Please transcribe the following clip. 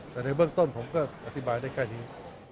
แต่ในเบื้องต้นผมก็อธิบายได้แค่นี้